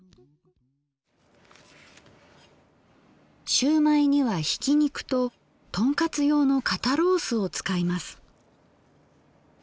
しゅうまいにはひき肉ととんかつ用の肩ロースを使います。